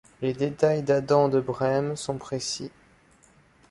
Les détails d'Adam de Brême sont précis.